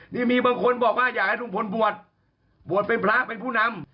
นี่มีบางคนบอกว่าอยากให้ลุงพลบวชบวชเป็นพระเป็นผู้นำ